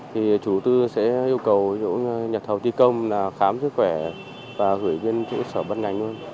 thì chủ tư sẽ yêu cầu những nhật thầu thi công là khả năng